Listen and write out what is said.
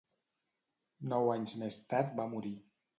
Nou anys més tard va morir.